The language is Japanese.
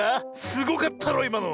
すごかったろいまの。